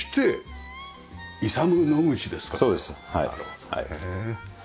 なるほどね。